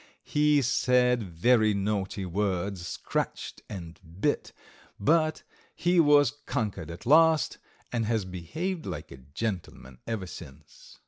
He said very naughty words, scratched and bit, but he was conquered at last, and has behaved like a gentleman ever since.